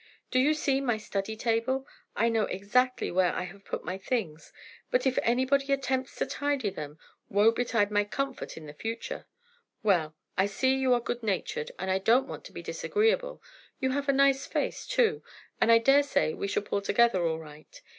Do you see my study table? I know exactly where I have put my things; but, if anybody attempts to tidy them, woe betide my comfort in the future! Well, I see you are good natured, and I don't want to be disagreeable. You have a nice face, too, and I dare say we shall pull together all right.